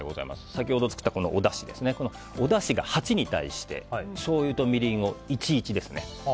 先ほど作ったこのおだしこのおだしが８に対してしょうゆとみりんを１：１ですね。